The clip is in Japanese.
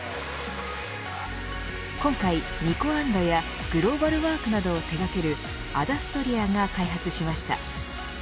今回、ニコアンドやグローバルワークなどを手掛けるアダストリアが開発しました。